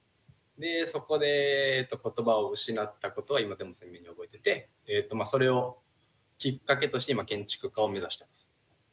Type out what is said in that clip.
でそこで言葉を失ったことは今でも鮮明に覚えててそれをきっかけとして今建築家を目指してます。